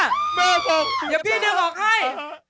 เดี๋ยวพี่ดึงออกให้